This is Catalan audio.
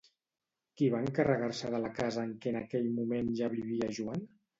Qui va encarregar-se de la casa en què en aquell moment ja vivia Joan?